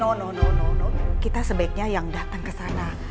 no no no kita sebaiknya yang datang ke sana